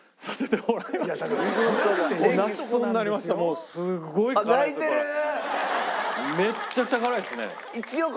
もうすっごい辛いですよこれ。